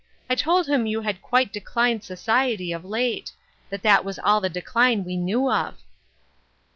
" I told him you had quite declined society, of late ; that that was all the decline we knew of."